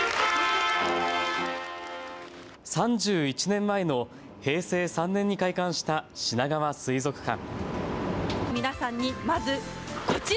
３１年前の平成３年に開館したしながわ水族館。